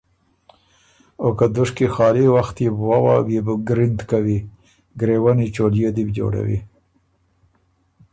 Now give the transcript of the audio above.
او که دُشکی خالی وخت يې ووا بيې بو ګرِند کوی ګرېوني چولئے دی بو جوړوی